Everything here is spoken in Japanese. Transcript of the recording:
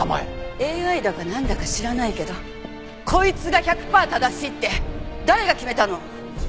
ＡＩだかなんだか知らないけどこいつが１００パー正しいって誰が決めたの？